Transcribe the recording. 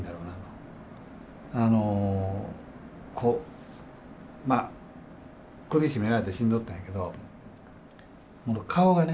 あのこうまあ首絞められて死んどったんやけどほんと顔がね